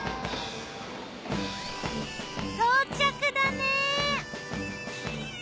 到着だね。